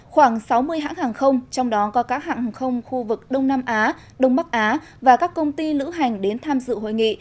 khoảng sáu mươi hãng hàng không trong đó có các hãng hàng không khu vực đông nam á đông bắc á và các công ty lữ hành đến tham dự hội nghị